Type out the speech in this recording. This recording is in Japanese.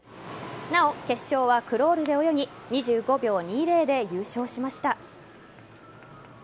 なお、決勝はクロールで泳ぎ２５秒２０で優勝しました。